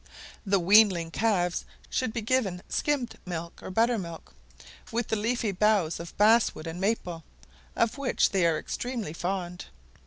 The weanling calves should be given skimmed milk or buttermilk, with the leafy boughs of basswood and maple, of which they are extremely fond.